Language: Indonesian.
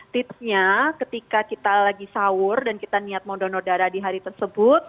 tipsnya ketika kita lagi sahur dan kita niat mau donor darah di hari tersebut